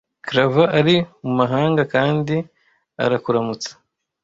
Klava ari mumahanga kandi arakuramutsa.